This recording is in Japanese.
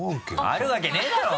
あるわけねぇだろ！